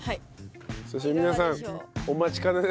そして皆さんお待ちかねです。